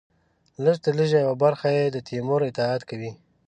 لږترلږه یوه برخه یې د تیمور اطاعت کوي.